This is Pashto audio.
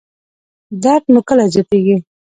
درد مو کله زیاتیږي؟